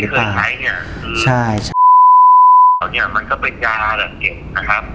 มันก็เป็นยาแบบเด็กนะครับ